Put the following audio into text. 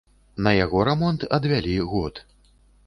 На яго рамонт адвялі год.